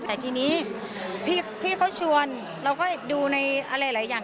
แต่ทีนี้พี่เขาชวนเราก็ดูในอะไรหลายอย่าง